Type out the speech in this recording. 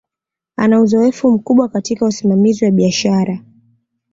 Ana uzoefu mkubwa katika usimamizi wa biashara